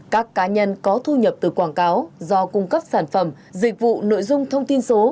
các cá nhân có thu nhập từ quảng cáo do cung cấp sản phẩm dịch vụ nội dung thông tin số